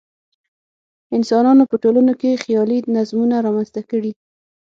انسانانو په ټولنو کې خیالي نظمونه رامنځته کړي.